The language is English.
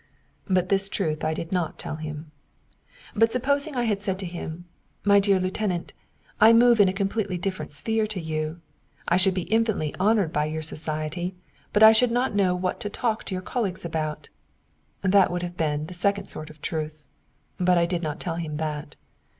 But this truth I did not tell him. But supposing I had said to him: "My dear lieutenant, I move in a completely different sphere to you. I should be infinitely honoured by your society, but I should not know what to talk to your colleagues about," that would have been the second sort of truth. But I did not tell him that.